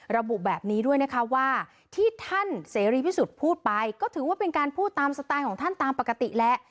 ระบุแบบนี้ด้วยนะคะว่าที่ท่านเสรีพิสุทธิ์พูดไปก็ถือว่าเป็นการพูดตามสไตล์ของท่านตามปกติแหละ